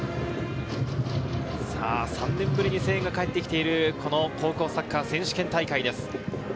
３年ぶりに声援が帰ってきている高校サッカー選手権大会です。